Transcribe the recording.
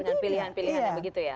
dengan pilihan pilihan yang begitu ya